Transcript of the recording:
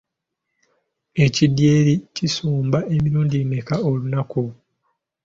Ekidyeri kisomba emirundi emeka olunaku?